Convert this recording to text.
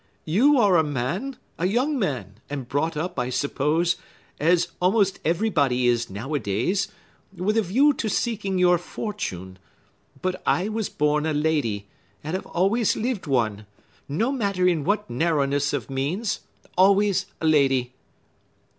"You are a man, a young man, and brought up, I suppose, as almost everybody is nowadays, with a view to seeking your fortune. But I was born a lady, and have always lived one; no matter in what narrowness of means, always a lady."